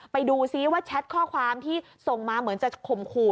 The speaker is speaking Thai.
ไปดูซิว่าแชทข้อความที่ส่งมาเหมือนจะข่มขู่